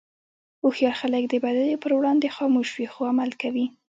هوښیار خلک د بدیو پر وړاندې خاموش وي، خو عمل کوي.